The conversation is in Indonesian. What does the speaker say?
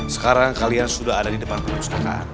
sekarang kalian sudah ada di depan perpustakaan